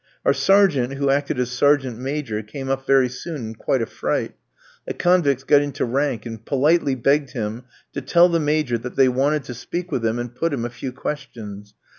Our sergeant, who acted as sergeant major, came up very soon in quite a fright. The convicts got into rank, and politely begged him to tell the Major that they wanted to speak with him and put him a few questions.